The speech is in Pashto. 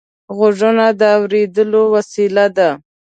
غوږونه د اورېدلو وسیله ده